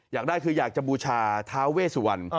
อยากได้คืออยากจะบูชาท้าเวสุวรรณ